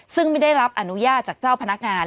ซึ่งไม่ได้รับอนุญาตจากเจ้าพนักงาน